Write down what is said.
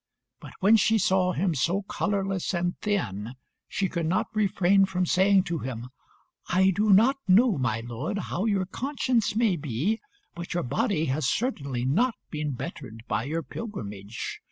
But when she saw him so colourless and thin, she could not refrain from saying to him "I do not know, my lord, how your conscience may be, but your body has certainly not been bettered by your pilgrimage.